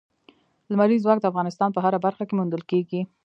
لمریز ځواک د افغانستان په هره برخه کې موندل کېږي.